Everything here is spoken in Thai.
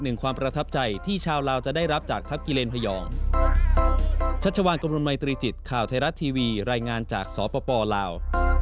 หนึ่งความประทับใจที่ชาวลาวจะได้รับจากทัพกิเลนพยองชัชวานกรมนมัยตรีจิตข่าวไทยรัฐทีวีรายงานจากสปลาลาว